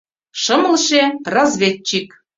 Шымлыше — разведчик.